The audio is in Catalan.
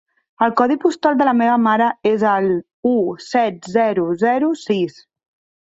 El codi postal de la meva mare és el u set zero zero sis.